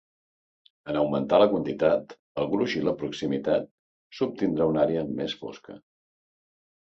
En augmentar la quantitat, el gruix i la proximitat, s'obtindrà una àrea més fosca.